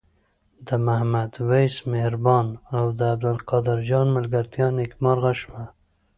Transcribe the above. د محمد وېس مهربان او عبدالقاهر جان ملګرتیا نیکمرغه شوه.